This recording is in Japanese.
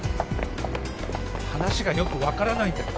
話がよく分からないんだけど。